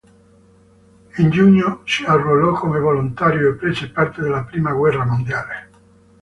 In giugno si arruolò come volontario e prese parte alla prima guerra mondiale.